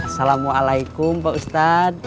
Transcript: assalamualaikum pak ustadz